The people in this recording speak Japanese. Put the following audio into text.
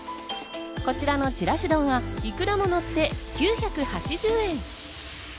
こちらのちらし丼はイクラも乗って９８０円。